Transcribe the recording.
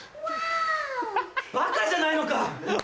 バカじゃないのか？